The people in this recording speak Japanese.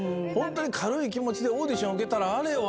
軽い気持ちでオーディション受けたらあれよ